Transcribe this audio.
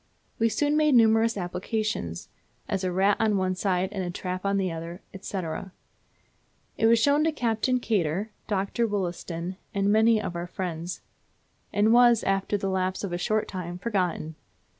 We soon made numerous applications, as a rat on one side and a trap on the other, &c. It was shown to Captain Kater, Dr. Wollaston, and many of our friends, and was, after the lapse of a short time, forgotten.